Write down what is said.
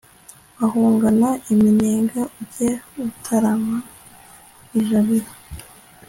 bagahungana iminega ujye utarama ijabiro